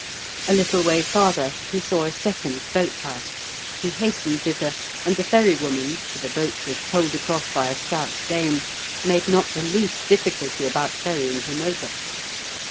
A little way farther he saw a second boathouse; he hastened thither, and the ferrywoman, for the boat was poled across by a stout dame, made not the least difficulty about ferrying him over.